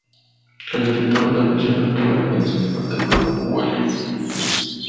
El director de la prisión actual es el Sr. Edward Whelan.